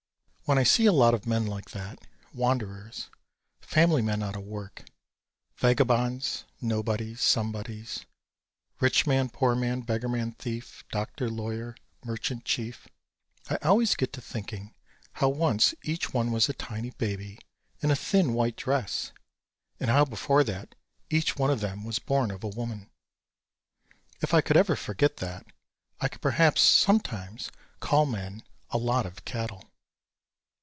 When I see a lot of men like that, wanderers, family men out of work, vagabonds, nobodies, somebodies, "rich man, poor man, beggar man, thief; doctor, lawyer, merchant, chief," I always get to thinking how once each one was a tiny baby in a thin white dress, and how before that each one of them was born of a woman. If I could ever forget that, I could perhaps sometimes call men "a lot of cattle."